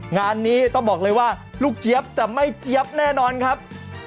งานนี้ต้องบอกเลยว่าลูกเจี๊ยบจะไม่เจี๊ยบแน่นอนครับ